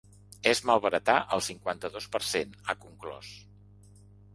És malbaratar el cinquanta-dos per cent, ha conclòs.